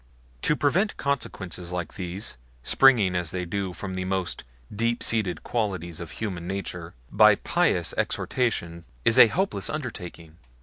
To prevent consequences like these, springing as they do from the most deep seated qualities of human nature, by pious exhortations is a hopeless undertaking.